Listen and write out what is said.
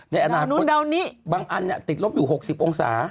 ในอนาคตบางอันติดลบอยู่๖๐องศา